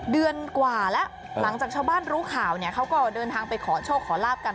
เดือนกว่าแล้วหลังจากชาวบ้านรู้ข่าวเนี่ยเขาก็เดินทางไปขอโชคขอลาบกัน